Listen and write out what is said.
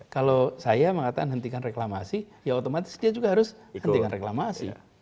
kalau saya mengatakan hentikan reklamasi ya otomatis dia juga harus hentikan reklamasi